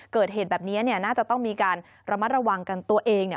เกิดเหตุแบบนี้เนี่ยน่าจะต้องมีการระมัดระวังกันตัวเองเนี่ย